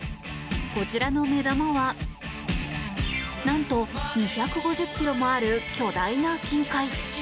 こちらの目玉は何と２５０ｋｇもある巨大な金塊。